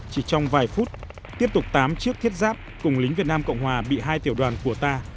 chỉ trong vài phút tiếp tục tám chiếc thiết giáp cùng lính việt nam cộng hòa bị hai tiểu đoàn của ta